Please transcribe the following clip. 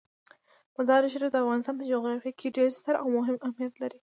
مزارشریف د افغانستان په جغرافیه کې ډیر ستر او مهم اهمیت لري.